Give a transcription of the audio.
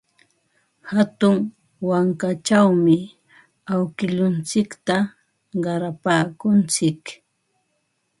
Hatun wankachawmi awkilluntsikta qarapaakuntsik.